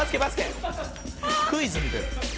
クイズみたい。